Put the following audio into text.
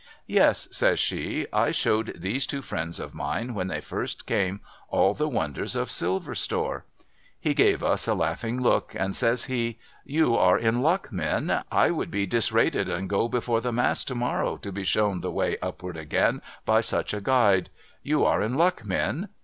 ' Yes,' says she, ' I showed these two friends of mine when they first came, all the wonders of Silver Store.' He gave us a laughing look, and says he, ' You are in luck, men. I would be disrated and go before the m.ast to morrow, to be shown the way upward again by such a guide. You are in luck, men.'